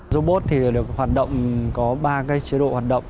robot thì được hoạt động có ba cái chế độ hoạt động